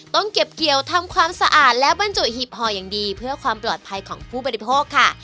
ต้องเก็บเกี่ยวทำความสะอาดและบรรจุหีบห่ออย่างดีเพื่อความปลอดภัยของผู้บริโภคค่ะ